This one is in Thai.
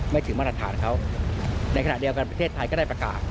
ถึงมาตรฐานเขาในขณะเดียวกันประเทศไทยก็ได้ประกาศ